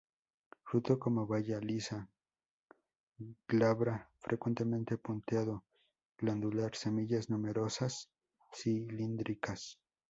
Fruto una baya lisa, glabra, frecuentemente punteado-glandular; semillas numerosas, cilíndricas.